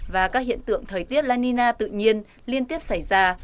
và các hiện tượng thời tiết lanina tự nhiên liên tiếp xảy ra